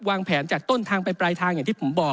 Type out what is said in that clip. วางแผนจากต้นทางไปปลายทางอย่างที่ผมบอก